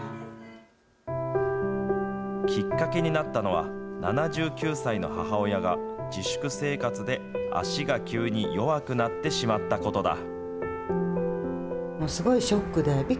きっかけになったのは、７９歳の母親が自粛生活で足が急に弱くなってしまったことだ。